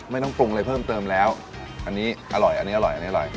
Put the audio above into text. ไม่ต้องปรุงอะไรเพิ่มเติมแล้วอันนี้อร่อยอันนี้อร่อยอันนี้อร่อย